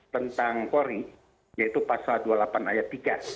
tentang kori yaitu pasal dua puluh delapan ayat tiga